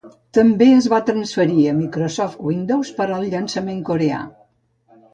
També es va transferir a Microsoft Windows per al llançament coreà.